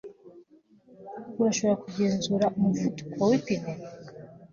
Urashobora kugenzura umuvuduko wipine